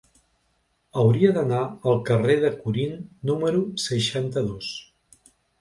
Hauria d'anar al carrer de Corint número seixanta-dos.